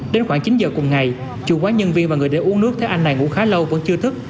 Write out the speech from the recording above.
đến khoảng chín giờ cùng ngày chủ quán nhân viên và người để uống nước thấy anh này ngủ khá lâu vẫn chưa thức